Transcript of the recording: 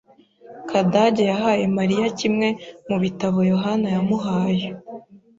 Kadage yahaye Mariya kimwe mu bitabo Yohana yamuhaye.